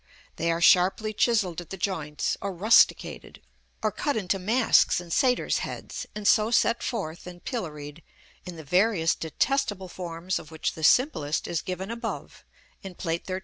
They are sharply chiselled at the joints, or rusticated, or cut into masks and satyrs' heads, and so set forth and pilloried in the various detestable forms of which the simplest is given above in Plate XIII.